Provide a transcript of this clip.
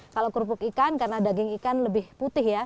kalau kerupuk ikan karena daging ikan lebih putih ya